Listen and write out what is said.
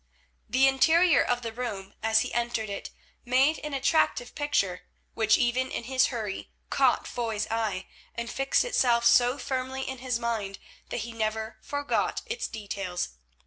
The interior of the room as he entered it made an attractive picture which even in his hurry caught Foy's eye and fixed itself so firmly in his mind that he never forgot its details.